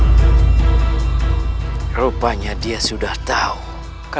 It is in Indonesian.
berguna apa partners rupanya dia sudah tahu kalau aku saat ini tidak memiliki